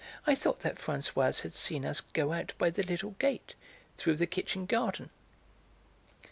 "I thought that Françoise had seen us go out by the little gate, through the kitchen garden."